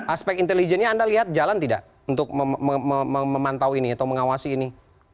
aspek intelijennya anda lihat jalan tidak untuk memantau ini atau mengawasi ini